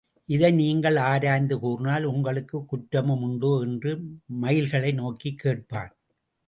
இதை நீங்கள் ஆராய்ந்து கூறினால் உங்களுக்குக் குற்றமும் உண்டோ? என்று மயில்களை நோக்கிக் கேட்பான்.